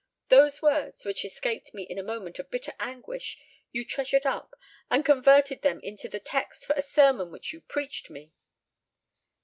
Those words, which escaped me in a moment of bitter anguish, you treasured up, and converted them into the text for a sermon which you preached me."